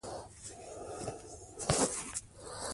دا د اقتصادي پرمختګ لویه لار ده.